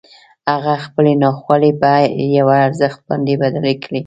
هغه خپلې ناخوالې پر یوه ارزښت باندې بدلې کړې